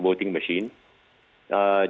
maka di sini menggunakan elektronik